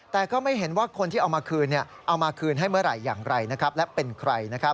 แต่ก็ไม่เห็นว่าคนที่เอามาคืนเอามาคืนให้เมื่อไหร่อย่างไรและเป็นใคร